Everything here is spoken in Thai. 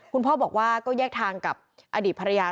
คุณพ่อบอกว่าก็แยกทางกับอดีตภรรยา